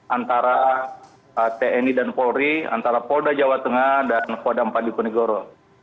antara tni dan polri antara polda jawa tengah dan polda empadipunegoro